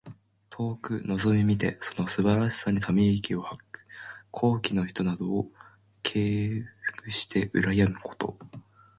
遠くのぞみ見てその素晴らしさにため息を吐く。高貴の人などを敬慕してうらやむこと。